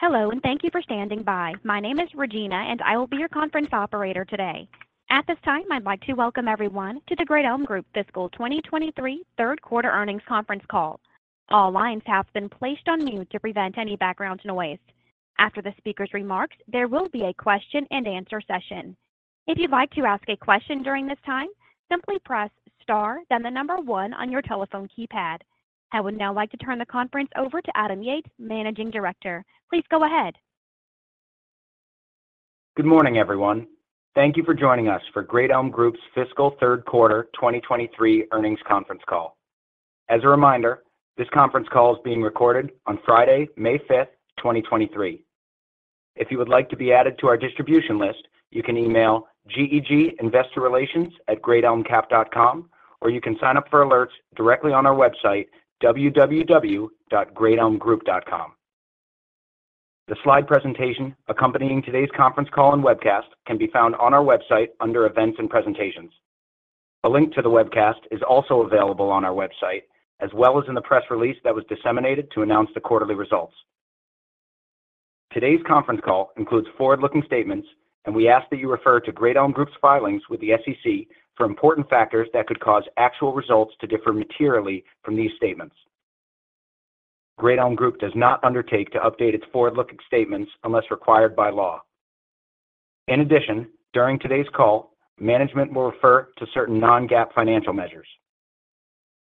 Hello, and thank you for standing by. My name is Regina, and I will be your conference operator today. At this time, I'd like to welcome everyone to The Great Elm Group Fiscal 2023 third quarter earnings conference call. All lines have been placed on mute to prevent any background noise. After the speaker's remarks, there will be a question and answer session. If you'd like to ask a question during this time, simply press star then the number one on your telephone keypad. I would now like to turn the conference over to Adam Yates, Managing Director. Please go ahead. Good morning, everyone. Thank you for joining us for Great Elm Group's fiscal third quarter 2023 earnings conference call. As a reminder, this conference call is being recorded on Friday, May 5th, 2023. If you would like to be added to our distribution list, you can email GEG investor relations at greatelmcap.com, or you can sign up for alerts directly on our website, www.greatelmgroup.com. The slide presentation accompanying today's conference call and webcast can be found on our website under Events and Presentations. A link to the webcast is also available on our website as well as in the press release that was disseminated to announce the quarterly results. Today's conference call includes forward-looking statements, and we ask that you refer to Great Elm Group's filings with the SEC for important factors that could cause actual results to differ materially from these statements. Great Elm Group does not undertake to update its forward-looking statements unless required by law. In addition, during today's call, management will refer to certain non-GAAP financial measures.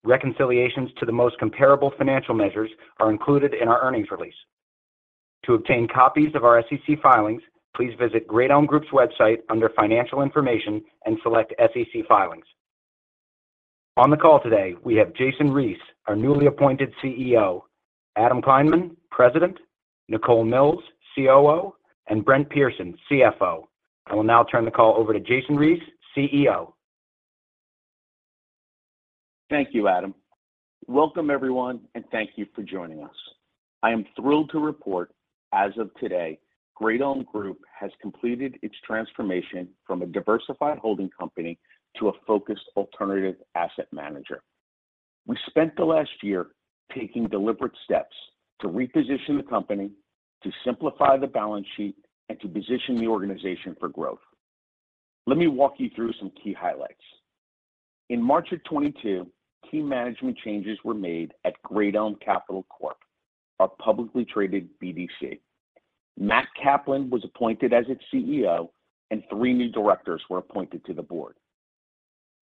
Reconciliations to the most comparable financial measures are included in our earnings release. To obtain copies of our SEC filings, please visit Great Elm Group's website under Financial Information and select SEC Filings. On the call today, we have Jason Reese, our newly appointed CEO, Adam Kleinman, President, Nichole Milz, COO, and Brent Pearson, CFO. I will now turn the call over to Jason Reese, CEO. Thank you, Adam. Welcome, everyone, thank you for joining us. I am thrilled to report, as of today, Great Elm Group has completed its transformation from a diversified holding company to a focused alternative asset manager. We spent the last year taking deliberate steps to reposition the company, to simplify the balance sheet, and to position the organization for growth. Let me walk you through some key highlights. In March of 2022, key management changes were made at Great Elm Capital Corp, our publicly traded BDC. Matt Kaplan was appointed as its CEO, three new directors were appointed to the board.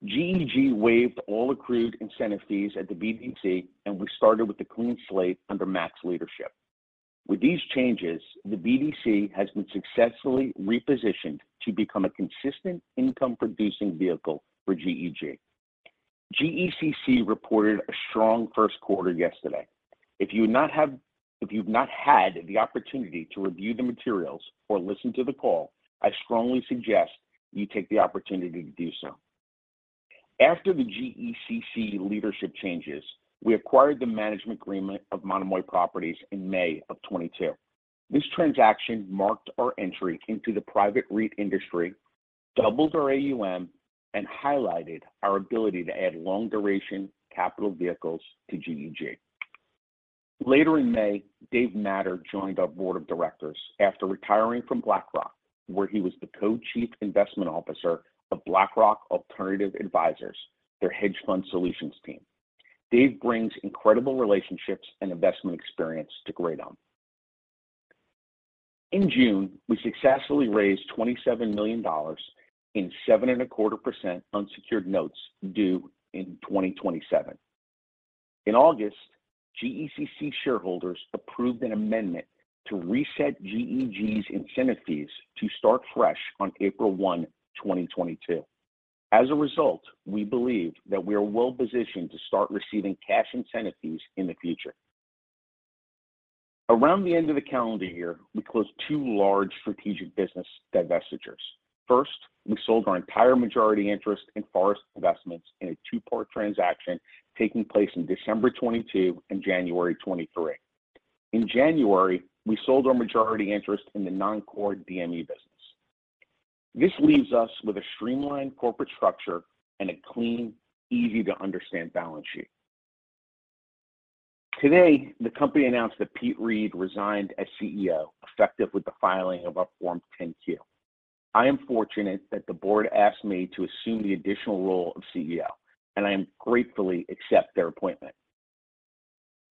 GEG waived all accrued incentive fees at the BDC, we started with a clean slate under Matt's leadership. With these changes, the BDC has been successfully repositioned to become a consistent income-producing vehicle for GEG. GECC reported a strong first quarter yesterday. If you've not had the opportunity to review the materials or listen to the call, I strongly suggest you take the opportunity to do so. After the GECC leadership changes, we acquired the management agreement of Monomoy Properties in May of 2022. This transaction marked our entry into the private REIT industry, doubled our AUM, and highlighted our ability to add long-duration capital vehicles to GEG. Later in May, Dave Matter joined our board of directors after retiring from BlackRock, where he was the co-chief investment officer of BlackRock Alternative Advisors, their hedge fund solutions team. Dave brings incredible relationships and investment experience to Great Elm. In June, we successfully raised $27 million in seven and a quarter percent unsecured notes due in 2027. In August, GECC shareholders approved an amendment to reset GEG's incentive fees to start fresh on April 1, 2022. As a result, we believe that we are well-positioned to start receiving cash incentive fees in the future. Around the end of the calendar year, we closed two large strategic business divestitures. First, we sold our entire majority interest in Forest Investments in a two-part transaction taking place in December 2022 and January 2023. In January, we sold our majority interest in the non-core DME business. This leaves us with a streamlined corporate structure and a clean, easy-to-understand balance sheet. Today, the company announced that Pete Reed resigned as CEO, effective with the filing of our form 10-Q. I am fortunate that the board asked me to assume the additional role of CEO, and I gratefully accept their appointment.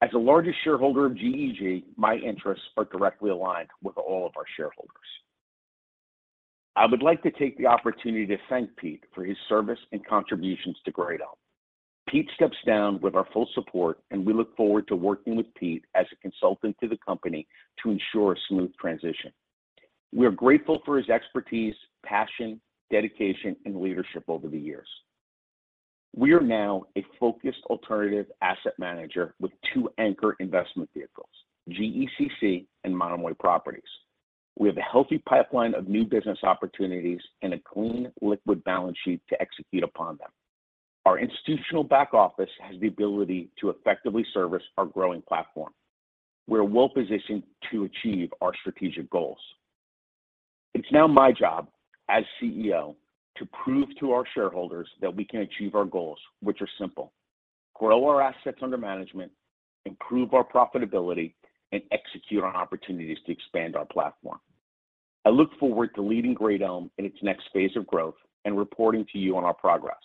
As the largest shareholder of GEG, my interests are directly aligned with all of our shareholders. I would like to take the opportunity to thank Pete for his service and contributions to Great Elm. Pete steps down with our full support, and we look forward to working with Pete as a consultant to the company to ensure a smooth transition. We are grateful for his expertise, passion, dedication, and leadership over the years. We are now a focused alternative asset manager with two anchor investment vehicles, GECC and Monomoy Properties. We have a healthy pipeline of new business opportunities and a clean, liquid balance sheet to execute upon them. Our institutional back office has the ability to effectively service our growing platform. We are well-positioned to achieve our strategic goals. It's now my job as CEO to prove to our shareholders that we can achieve our goals, which are simple: grow our assets under management, improve our profitability, and execute on opportunities to expand our platform. I look forward to leading Great Elm in its next phase of growth and reporting to you on our progress.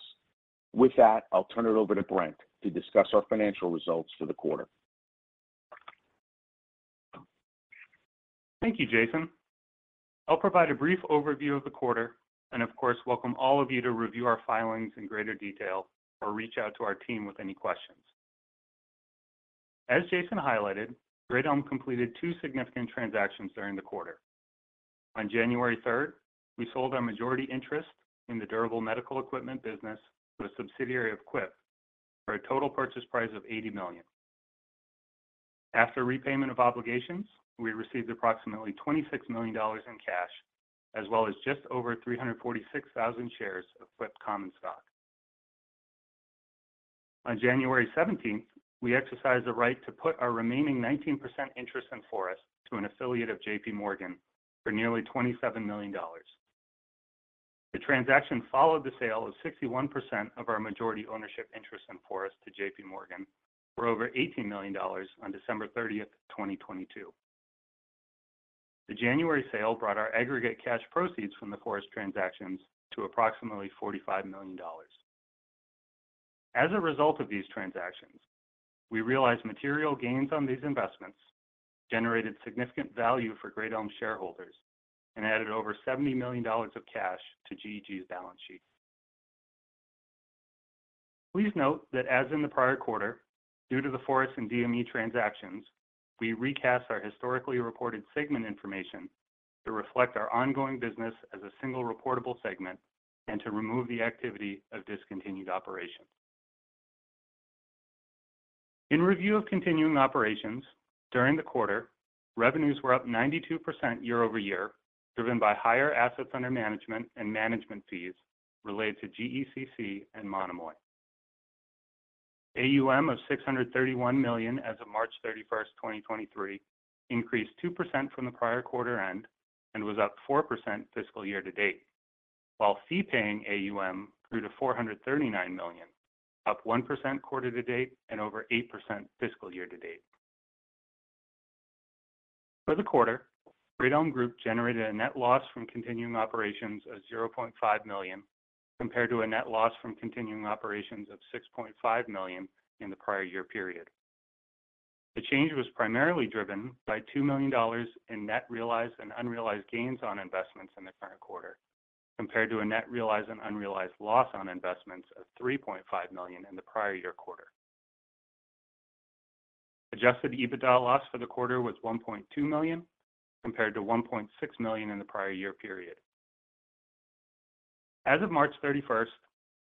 With that, I'll turn it over to Brent to discuss our financial results for the quarter. Thank you, Jason. I'll provide a brief overview of the quarter and of course, welcome all of you to review our filings in greater detail or reach out to our team with any questions. As Jason highlighted, Great Elm completed two significant transactions during the quarter. On January 3rd, we sold our majority interest in the durable medical equipment business to a subsidiary of Quipt for a total purchase price of $80 million. After repayment of obligations, we received approximately $26 million in cash, as well as just over 346,000 shares of Quipt common stock. On January 17th, we exercised the right to put our remaining 19% interest in Forest to an affiliate of J.P. Morgan for nearly $27 million. The transaction followed the sale of 61% of our majority ownership interest in Forest to J.P. Morgan for over $18 million on December 30th, 2022. The January sale brought our aggregate cash proceeds from the Forest transactions to approximately $45 million. As a result of these transactions, we realized material gains on these investments, generated significant value for Great Elm shareholders, and added over $70 million of cash to GEG's balance sheet. Please note that as in the prior quarter, due to the Forest and DME transactions, we recast our historically reported segment information to reflect our ongoing business as a single reportable segment and to remove the activity of discontinued operations. In review of continuing operations, during the quarter, revenues were up 92% year-over-year, driven by higher assets under management and management fees related to GECC and Monomoy. AUM of $631 million as of March 31st, 2023 increased 2% from the prior quarter end and was up 4% fiscal year to date. Fee-paying AUM grew to $439 million, up 1% quarter to date and over 8% fiscal year to date. For the quarter, Great Elm Group generated a net loss from continuing operations of $0.5 million, compared to a net loss from continuing operations of $6.5 million in the prior year period. The change was primarily driven by $2 million in net realized and unrealized gains on investments in the current quarter, compared to a net realized and unrealized loss on investments of $3.5 million in the prior year quarter. Adjusted EBITDA loss for the quarter was $1.2 million, compared to $1.6 million in the prior year period. As of March 31st,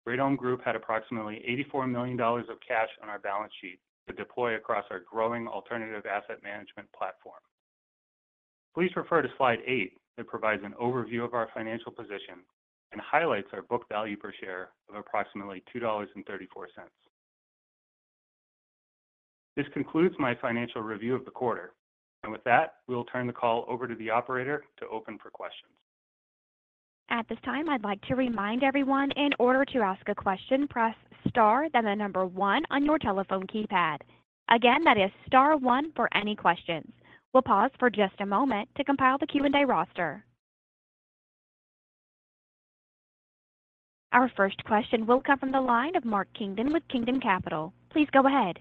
Great Elm Group had approximately $84 million of cash on our balance sheet to deploy across our growing alternative asset management platform. Please refer to slide eight that provides an overview of our financial position and highlights our book value per share of approximately $2.34. With that, we'll turn the call over to the operator to open for questions. At this time, I'd like to remind everyone in order to ask a question, press star, then the number one on your telephone keypad. Again, that is star one for any questions. We'll pause for just a moment to compile the Q&A roster. Our first question will come from the line of Mark Kingdon with Kingdon Capital. Please go ahead.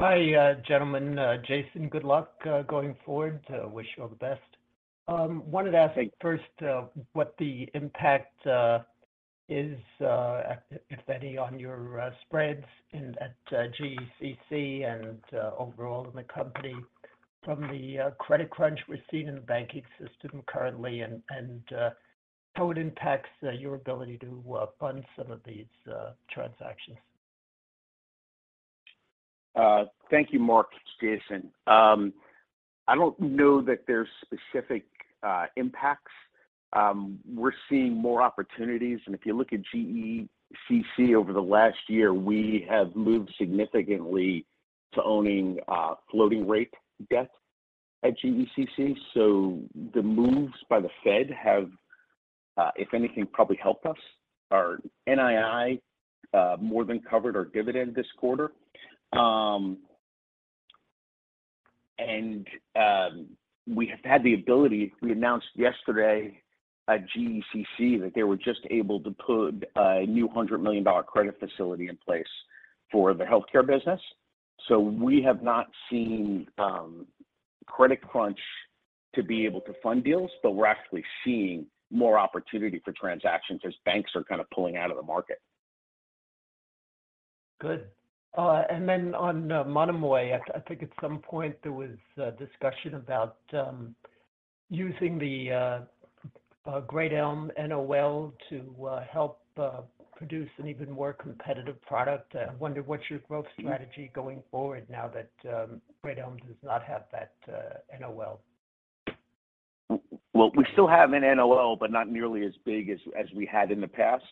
Hi, gentlemen. Jason, good luck, going forward. Wish you all the best. Wanted to ask first, what the impact is, if any, on your spreads at GECC and overall in the company from the credit crunch we're seeing in the banking system currently, and how it impacts your ability to fund some of these transactions? Thank you, Mark. It's Jason. I don't know that there's specific impacts. We're seeing more opportunities. If you look at GECC over the last year, we have moved significantly to owning floating rate debt at GECC. The moves by the Fed have, if anything, probably helped us. Our NII more than covered our dividend this quarter. We have had the ability, we announced yesterday at GECC that they were just able to put a new $100 million credit facility in place for the healthcare business. We have not seen credit crunch to be able to fund deals, but we're actually seeing more opportunity for transactions as banks are kind of pulling out of the market. Good. On Monomoy, I think at some point there was discussion about using the Great Elm NOL to help produce an even more competitive product. I wonder what's your growth strategy going forward now that Great Elm does not have that NOL? We still have an NOL, but not nearly as big as we had in the past.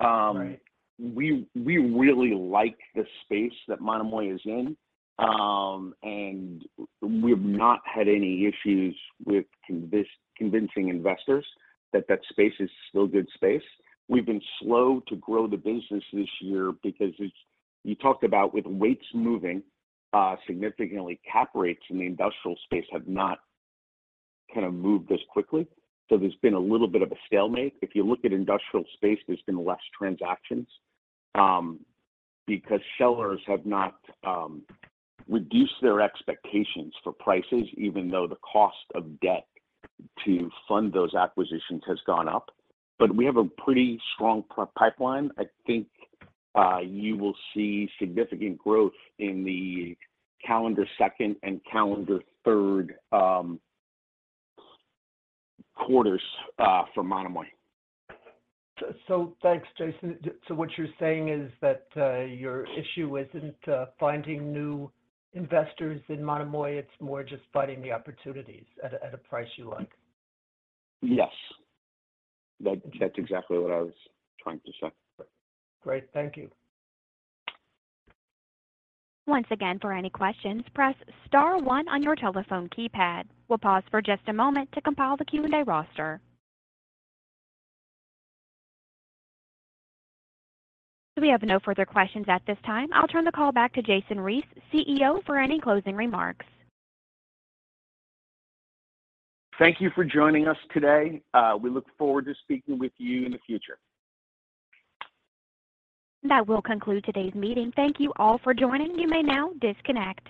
Right. We really like the space that Monomoy is in. We've not had any issues with convincing investors that that space is still good space. We've been slow to grow the business this year because You talked about with rates moving significantly, cap rates in the industrial space have not kind of moved as quickly. There's been a little bit of a stalemate. If you look at industrial space, there's been less transactions because sellers have not reduced their expectations for prices, even though the cost of debt to fund those acquisitions has gone up. We have a pretty strong pipeline. I think, you will see significant growth in the calendar second and calendar third quarters for Monomoy. Thanks, Jason. What you're saying is that, your issue isn't finding new investors in Monomoy, it's more just finding the opportunities at a price you like? Yes. That's exactly what I was trying to say. Great. Thank you. Once again, for any questions, press star one on your telephone keypad. We'll pause for just a moment to compile the Q&A roster. We have no further questions at this time. I'll turn the call back to Jason Reese, CEO, for any closing remarks. Thank you for joining us today. We look forward to speaking with you in the future. That will conclude today's meeting. Thank you all for joining. You may now disconnect.